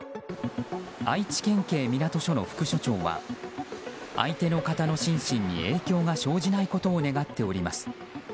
愛知県警港署の副署長は相手の方の心身に影響が生じないことを願っております。